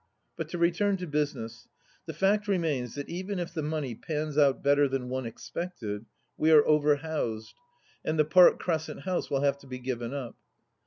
But to return to business. The fact remains, that even if the money pans out better than one expected, we are over housed, and the Park Crescent House will have to be given up.